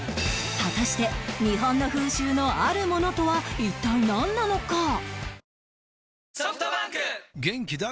果たして日本の風習のあるものとは一体なんなのか？